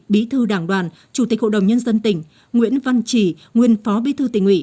bí thư đảng đoàn chủ tịch hội đồng nhân dân tỉnh nguyễn văn trì nguyên phó bí thư tỉnh ủy